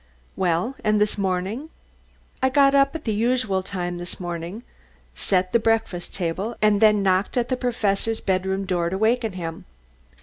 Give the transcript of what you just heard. "Well, and this morning?" "I got up at the usual time this morning, set the breakfast table, and then knocked at the Professor's bedroom door to waken him.